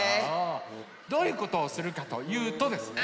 どういうことをするかというとですね